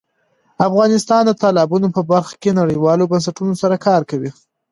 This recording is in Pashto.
افغانستان د تالابونه په برخه کې نړیوالو بنسټونو سره کار کوي.